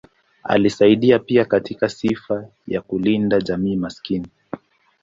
Alisaidia pia katika sifa ya kulinda jamii maskini.